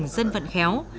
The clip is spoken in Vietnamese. dân vận khéo